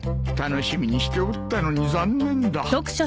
楽しみにしておったのに残念だ。